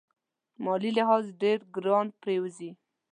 مالي لحاظ ډېر ګران پرېوزي.